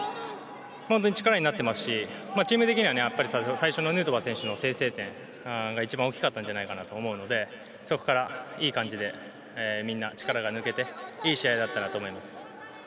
力になっていますしチーム的には最初のヌートバー選手の先制点が一番大きかったんじゃないかと思うのでそこからいい感じでみんな力が抜けていい試合だったなと思います。